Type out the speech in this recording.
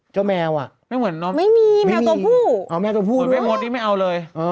เจ้าแมวอะไม่มีแมวตัวผู้ด้วย